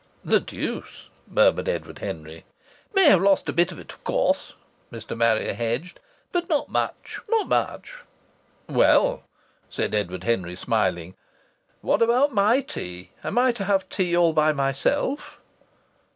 "The deuce!" murmured Edward Henry. "May have lost a bit of it, of course," Mr. Marrier hedged. "But not much, not much!" "Well," said Edward Henry, smiling, "what about my tea? Am I to have tea all by myself?"